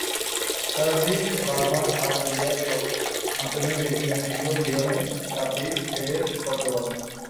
সার্জি বারহুয়ান আলমেরিয়ার coach, Antonio পিজ্জি মেক্সিকোর লিওনের, চাপি ফেরের কর্দোবার।